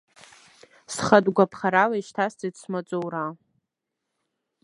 Схатәгәаԥхарала ишьҭасҵеит смаҵура.